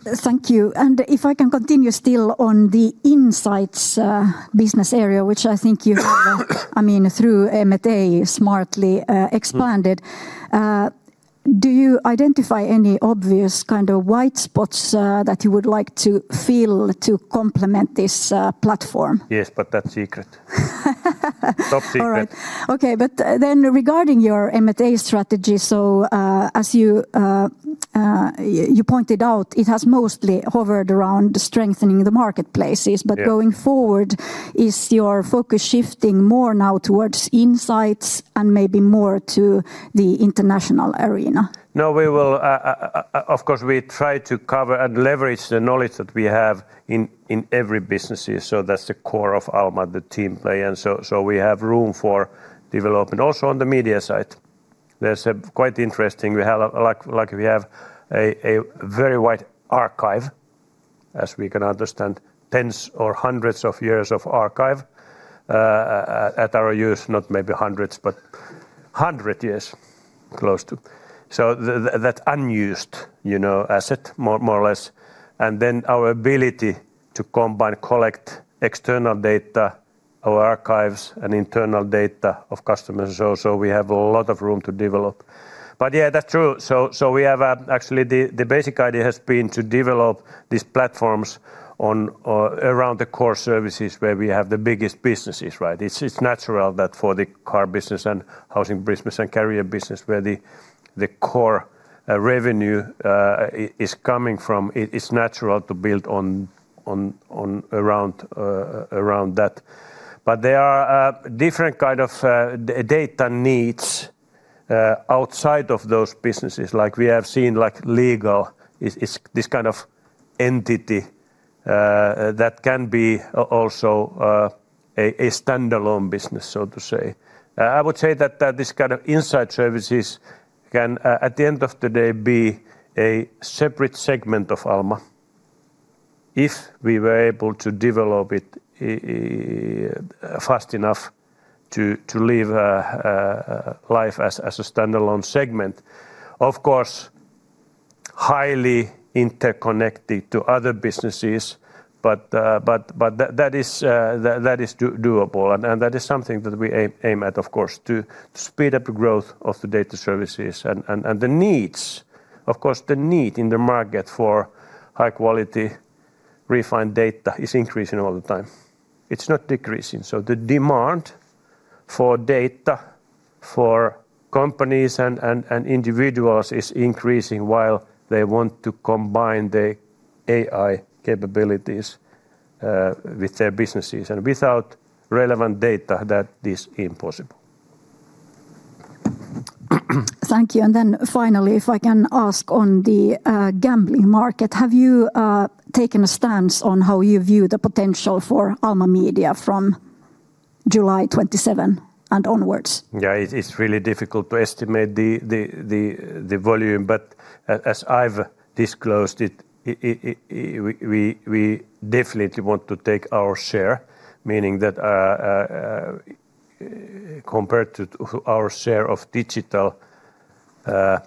Thank you. And if I can continue still on the Insights business area, which I think you have, I mean, through M&A smartly expanded, do you identify any obvious kind of white spots that you would like to fill to complement this platform? Yes, but that's a secret. Top secret. Okay, but then regarding your M&A strategy, so as you pointed out, it has mostly hovered around strengthening the Marketplaces. But going forward, is your focus shifting more now towards insights and maybe more to the international arena? No, we will, of course, we try to cover and leverage the knowledge that we have in every business. So that's the core of Alma, the team play. And so we have room for development also on the media side. There's a quite interesting, we have a very wide archive, as we can understand, 10s or 100s of years of archive at our use. Not maybe hundreds, but 100 years, close to. So that unused, you know, asset, more or less. And then our ability to combine, collect external data, our archives, and internal data of customers. So we have a lot of room to develop. But yeah, that's true. So we have actually the basic idea has been to develop these platforms around the core services where we have the biggest businesses, right? It's natural that for the car business and housing business and Career business, where the core revenue is coming from, it's natural to build on around that. But there are different kinds of data needs outside of those businesses. Like we have seen, like legal, it's this kind of entity that can be also a standalone business, so to say. I would say that this kind of inside services can, at the end of the day, be a separate segment of Alma, if we were able to develop it fast enough to live a life as a standalone segment. Of course, highly interconnected to other businesses. But that is doable. And that is something that we aim at, of course, to speed up the growth of the data services. And the needs. Of course, the need in the market for high-quality, refined data is increasing all the time. It's not decreasing. So the demand for data, for companies and individuals, is increasing while they want to combine the AI capabilities with their businesses. And without relevant data, that is impossible. Thank you. And then finally, if I can ask on the gambling market, have you taken a stance on how you view the potential for Alma Media from July 2027 and onwards? Yeah, it's really difficult to estimate the volume. But as I've disclosed it, we definitely want to take our share. Meaning that, compared to our share of digital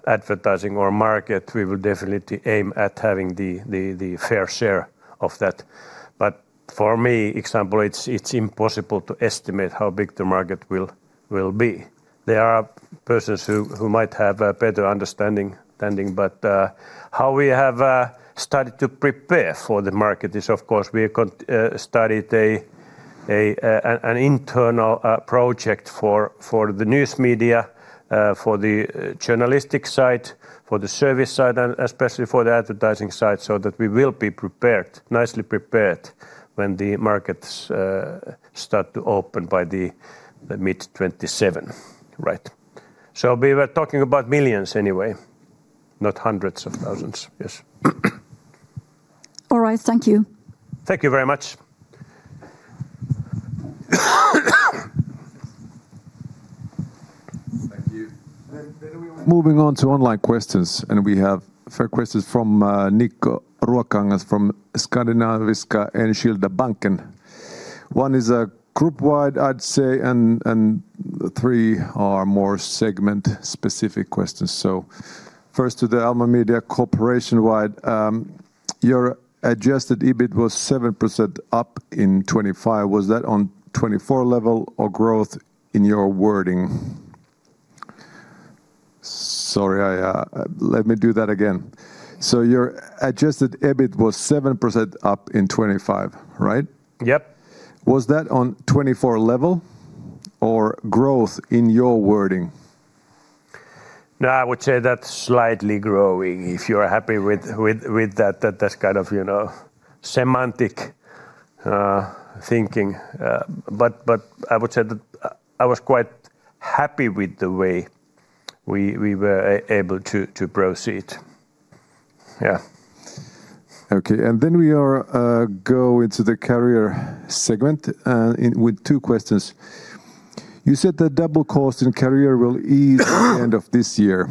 advertising or market, we will definitely aim at having the fair share of that. But for me, for example, it's impossible to estimate how big the market will be. There are persons who might have a better understanding. But how we have started to prepare for the market is, of course, we have studied an internal project for the news media, for the journalistic side, for the service side, and especially for the advertising side, so that we will be prepared, nicely prepared, when the markets start to open by the mid-2027, right? So we were talking about millions anyway, not hundreds of thousands. Yes. All right, thank you. Thank you very much. Thank you. Moving on to online questions. We have a few questions from Nikko Ruokangas from Skandinaviska Enskilda Banken. One is a group-wide, I'd say, and three are more segment-specific questions. First to the Alma Media Corporation-wide. Your adjusted EBIT was 7% up in 2025. Was that on 2024 level or growth in your wording? Sorry, let me do that again. So your adjusted EBIT was 7% up in 2025, right? Yep. Was that on 2024 level or growth in your wording? No, I would say that's slightly growing. If you're happy with that, that's kind of, you know, semantic thinking. But I would say that I was quite happy with the way we were able to proceed. Yeah. Okay, and then we go into the Career segment with two questions. You said that double cost in Career will ease at the end of this year.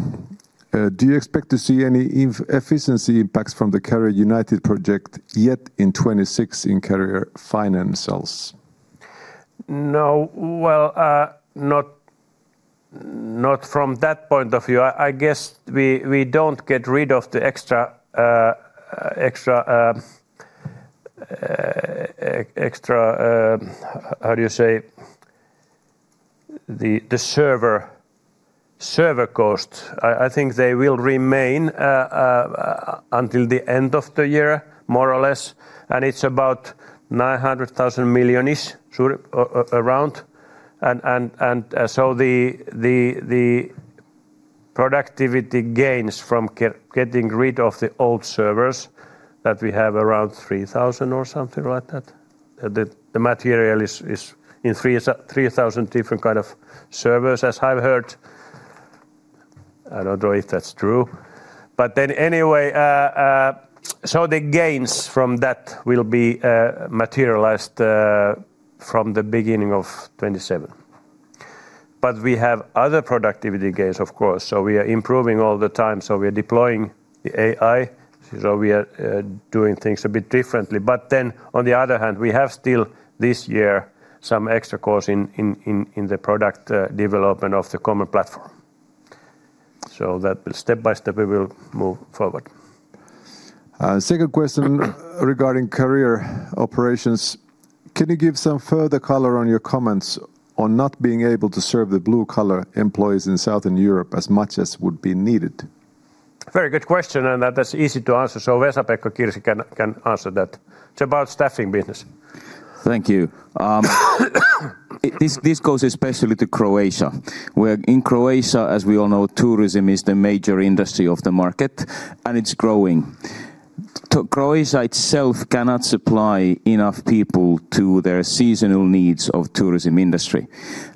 Do you expect to see any efficiency impacts from the Career United project yet in 2026 in Career financials? No, well, not from that point of view. I guess we don't get rid of the extra server cost. I think they will remain until the end of the year, more or less. And it's about 900 million-ish, around. The productivity gains from getting rid of the old servers that we have around 3,000 or something like that. The material is in 3,000 different kinds of servers, as I've heard. I don't know if that's true. But then anyway, the gains from that will be materialized from the beginning of 2027. We have other productivity gains, of course. We are improving all the time. We are deploying the AI. We are doing things a bit differently. But then, on the other hand, we have still this year some extra costs in the product development of the common platform. So that will step by step, we will move forward. Second question regarding Career operations. Can you give some further color on your comments on not being able to serve the blue-collar employees in Southern Europe as much as would be needed? Very good question, and that is easy to answer. Vesa-Pekka Kirsi can answer that. It's about staffing business. Thank you. This goes especially to Croatia. Where in Croatia, as we all know, tourism is the major industry of the market, and it's growing. Croatia itself cannot supply enough people to their seasonal needs of the tourism industry.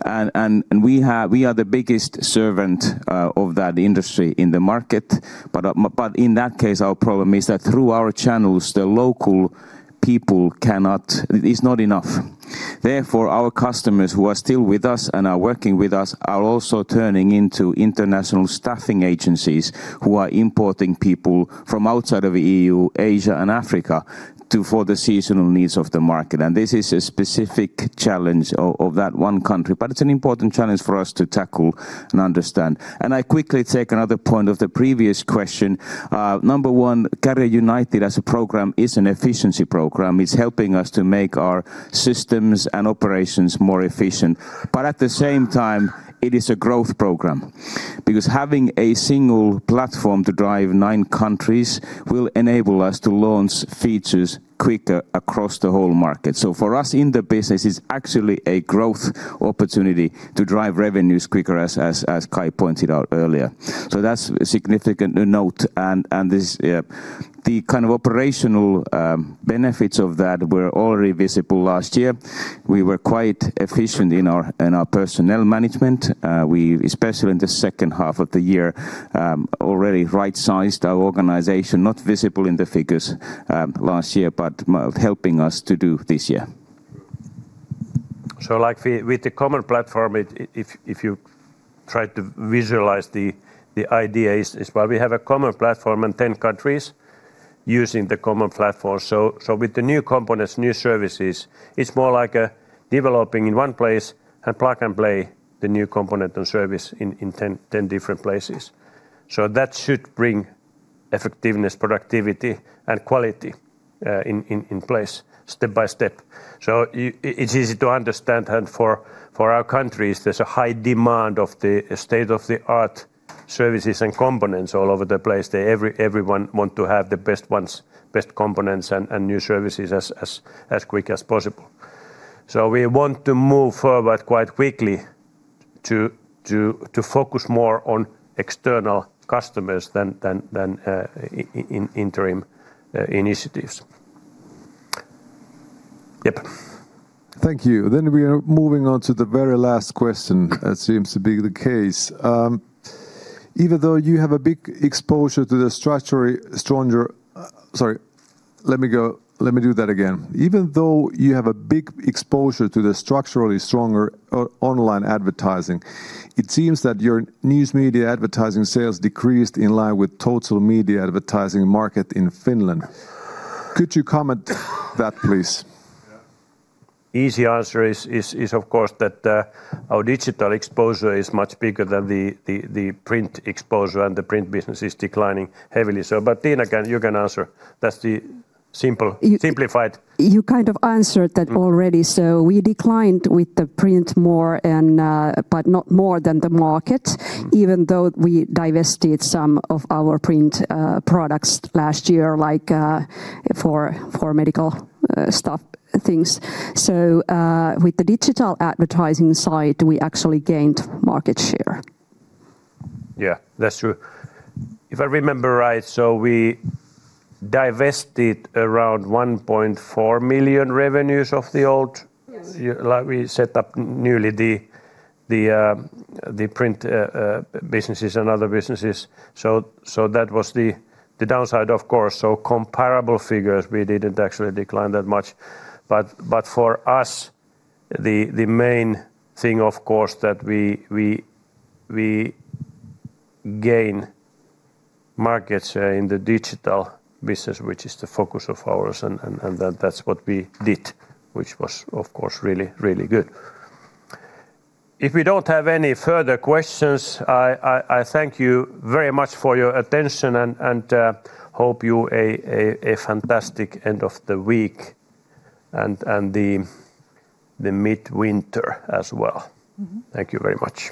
We are the biggest servant of that industry in the market. But in that case, our problem is that through our channels, the local people cannot, it's not enough. Therefore, our customers who are still with us and are working with us are also turning into international staffing agencies who are importing people from outside of the EU, Asia, and Africa for the seasonal needs of the market. This is a specific challenge of that one country. But it's an important challenge for us to tackle and understand. I quickly take another point of the previous question. Number one, Career United as a program is an efficiency program. It's helping us to make our systems and operations more efficient. But at the same time, it is a growth program. Because having a single platform to drive nine countries will enable us to launch features quicker across the whole market. So for us in the business, it's actually a growth opportunity to drive revenues quicker, as Kai pointed out earlier. So that's a significant note. And this is the kind of operational benefits of that were already visible last year. We were quite efficient in our personnel management. We, especially in the second half of the year, already right-sized our organization, not visible in the figures last year, but helping us to do this year. So like with the common platform, if you try to visualize the idea, it's where we have a common platform and 10 countries using the common platform. So with the new components, new services, it's more like developing in one place and plug and play the new component and service in 10 different places. So that should bring effectiveness, productivity, and quality in place, step by step. So it's easy to understand. And for our countries, there's a high demand of the state-of-the-art services and components all over the place. Everyone wants to have the best ones, best components, and new services as quick as possible. So we want to move forward quite quickly to focus more on external customers than in interim initiatives. Yep. Thank you. Then we are moving on to the very last question. That seems to be the case. Even though you have a big exposure to the structurally stronger online advertising, it seems that your news media advertising sales decreased in line with total media advertising market in Finland. Could you comment that, please? Yeah. Easy answer is, of course, that our digital exposure is much bigger than the print exposure, and the print business is declining heavily. So, but Tiina, you can answer. That's the simplified. You kind of answered that already. So we declined with the print more, and but not more than the market, even though we divested some of our print products last year, like for medical stuff, things. So with the digital advertising side, we actually gained market share. Yeah, that's true. If I remember right, so we divested around 1.4 million revenues of the old. Like we set up newly the print businesses and other businesses. So that was the downside, of course. So comparable figures, we didn't actually decline that much. But for us, the main thing, of course, that we gain market share in the digital business, which is the focus of ours. And that's what we did, which was, of course, really really good. If we don't have any further questions, I thank you very much for your attention and hope you have a fantastic end of the week and the midwinter as well. Thank you very much.